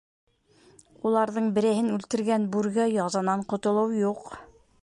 Уларҙың берәйһен үлтергән бүрегә язанан ҡотолоу юҡ.